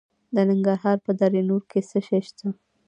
د ننګرهار په دره نور کې څه شی شته؟